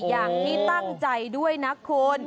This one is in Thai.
อย่างที่ตั้งใจด้วยนะคุณ